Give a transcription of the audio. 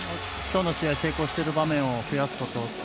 きょうの試合、成功してる場面を増やすこと。